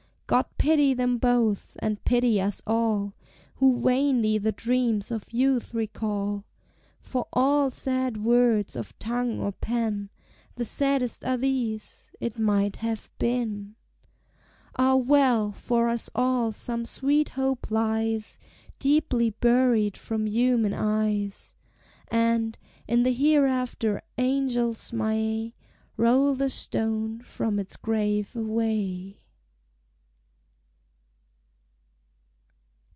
God pity them both! and pity us all, Who vainly the dreams of youth recall; For of all sad words of tongue or pen, The saddest are these: "It might have been!" Ah, well! for us all some sweet hope lies Deeply buried from human eyes; And, in the hereafter, angels may Roll the stone from its grave away!